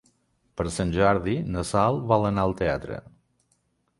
Per Sant Jordi na Sol vol anar al teatre.